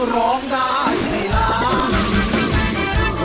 ร้องได้ไงล่ะ